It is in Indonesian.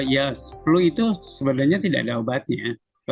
ya flu itu sebenarnya tidak ada obatnya